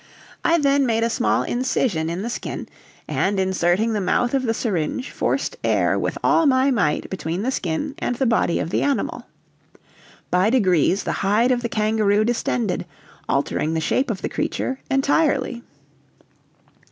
I then made a small incision in the skin, and inserting the mouth of the syringe forced air with all my might between the skin and the body of the animal. By degrees the hide of the kangaroo distended, altering the shape of the creature entirely.